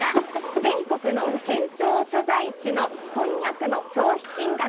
全国の県庁所在地のこんにゃくの消費金額